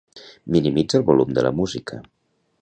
Minimitza el volum de la música.